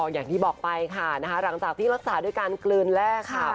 อย่างที่บอกไปค่ะนะคะหลังจากที่รักษาด้วยการกลืนแรกค่ะ